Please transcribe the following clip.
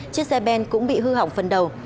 chiếc xe ben cũng bị hư hỏng phần đầu